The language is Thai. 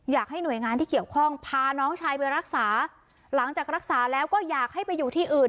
อยากให้หน่วยงานที่เกี่ยวข้องพาน้องชายไปรักษาหลังจากรักษาแล้วก็อยากให้ไปอยู่ที่อื่น